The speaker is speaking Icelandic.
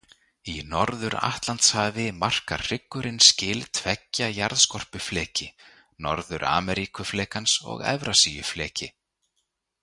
Í Norðuratlantshafi markar hryggurinn skil tveggja jarðskorpufleki, N-Ameríkuflekans og Evrasíufleki.